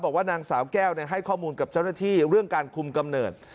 บอกว่านางสาวแก้วให้ข้อมูลกับเจ้าหน้าที่เรื่องการคุมกำเนิด